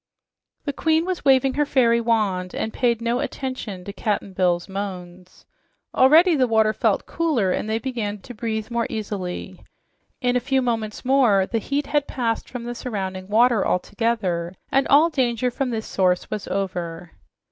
The queen was waving her fairy wand and paid no attention to Cap'n Bill's moans. Already the water felt cooler, and they began to breathe more easily. In a few moments more, the heat had passed from the surrounding water altogether, and all danger from this source was over.